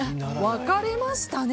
分かれましたね。